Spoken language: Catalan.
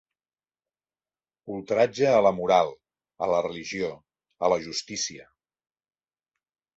Ultratge a la moral, a la religió, a la justícia.